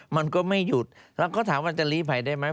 มันก็ไม่หยุดแล้วก็ถามว่าจะลีภัยได้ไหม